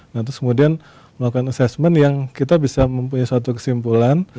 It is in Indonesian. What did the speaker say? lalu melakukan assessment yang kita bisa mempunyai kesimpulan